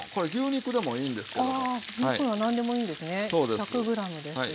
１００ｇです。